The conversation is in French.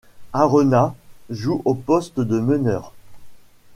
Arenas joue au poste de meneur.